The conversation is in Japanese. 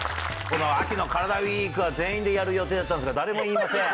この秋のカラダＷＥＥＫは全員でやる予定だったんですが、誰もいすみません。